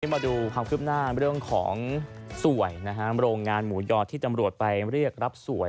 มาดูความคืบหน้าเรื่องของสวยนะฮะโรงงานหมูยอดที่ตำรวจไปเรียกรับสวย